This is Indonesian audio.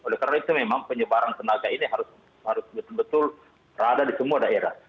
oleh karena itu memang penyebaran tenaga ini harus betul betul rada di semua daerah